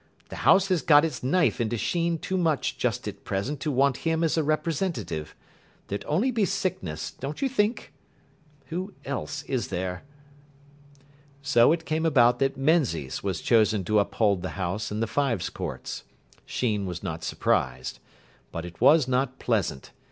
The house has got its knife into Sheen too much just at present to want him as a representative. There'd only be sickness, don't you think? Who else is there?" So it came about that Menzies was chosen to uphold the house in the Fives Courts. Sheen was not surprised. But it was not pleasant.